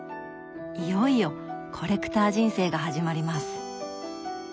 いよいよコレクター人生が始まります。